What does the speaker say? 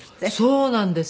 そうなんです。